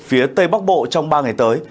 phía tây bắc bộ trong ba ngày tới